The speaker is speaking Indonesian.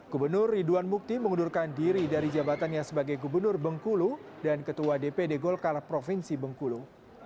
gubernur ridwan mukti mengundurkan diri dari jabatannya sebagai gubernur bengkulu dan ketua dpd golkar provinsi bengkulu